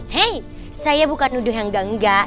hei saya bukan nuduh yang enggak enggak